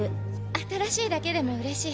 新しいだけでもうれしい。